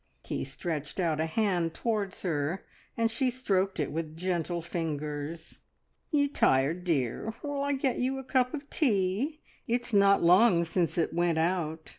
He stretched out a hand towards her, and she stroked it with gentle fingers. "Ye're tired, dear. Will I get you a cup of tea? It's not long since it went out.